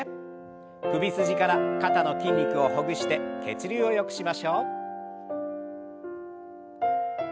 首筋から肩の筋肉をほぐして血流をよくしましょう。